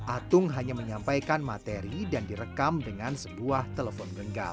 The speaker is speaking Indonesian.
atung hanya menyampaikan materi dan direkam dengan sebuah telepon genggam